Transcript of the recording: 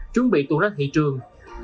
chuẩn bị tụ ra thị trường